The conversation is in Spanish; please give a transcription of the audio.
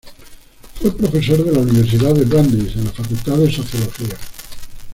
Fue profesor de la Universidad de Brandeis en la facultad de sociología.